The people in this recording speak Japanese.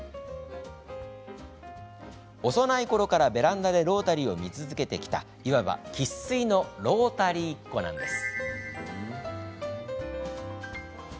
幼いころからベランダでロータリーを見続けてきたいわば生っ粋のロータリーっ子なんです。